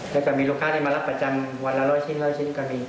แล้วก็มีลูกค้าได้มารับประจำวันละร้อยชิ้นร้อยชิ้นก็มี